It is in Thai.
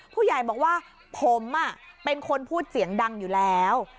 ผู้ใหญ่บอกว่าผมเป็นคนพูดเสียงดังอยู่แล้ว